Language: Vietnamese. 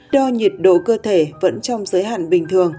đo nhiệt độ cơ thể vẫn trong giới hạn bình thường